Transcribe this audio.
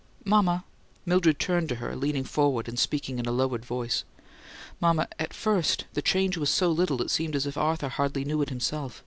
"Mama" Mildred turned to her, leaning forward and speaking in a lowered voice "Mama, at first the change was so little it seemed as if Arthur hardly knew it himself.